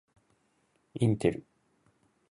インテル